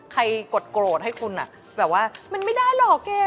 ใครกดโกรธให้คุณอะแบบว่ามันไม่ได้เหรอเกย